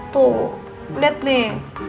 tuh liat nih